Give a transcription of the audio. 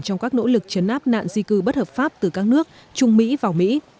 trong các nỗ lực chấn áp nạn di cư bất hợp pháp từ các nước trung mỹ vào mỹ